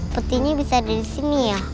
petinya bisa ada disini ya